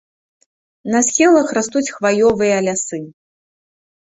На схілах растуць хваёвыя лясы.